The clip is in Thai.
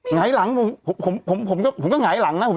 หงายหลังผมก็หงายหลังนะ